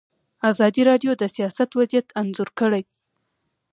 ازادي راډیو د سیاست وضعیت انځور کړی.